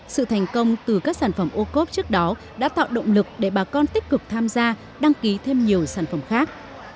sự thành công từ các sản phẩm ô cốp trước đó đã tạo động lực để bà con tích cực tham gia đăng ký thêm nhiều sản phẩm khác